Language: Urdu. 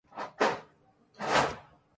خیر جو بھی ہو ہماری ضرورت پوری کرنے کو کافی تھا